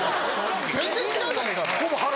全然違うじゃねえかお前。